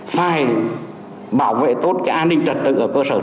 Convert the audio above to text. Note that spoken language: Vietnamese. phải bảo vệ tốt cái an ninh trật tự ở cơ sở